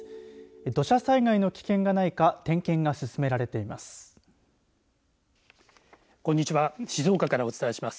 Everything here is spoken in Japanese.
土砂災害の危険がないか点検が進められています。